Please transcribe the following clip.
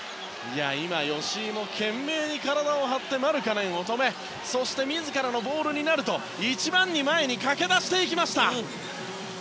今、吉井も懸命に体を張ってマルカネンを止めて自らのボールになると一番に前に駆け出しました。